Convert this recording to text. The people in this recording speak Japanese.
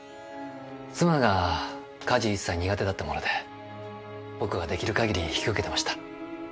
妻が家事一切苦手だったもので僕が出来る限り引き受けてました。